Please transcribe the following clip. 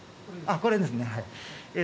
これですね。